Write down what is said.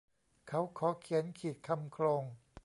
เขาขอเขียนขีดคำโคลง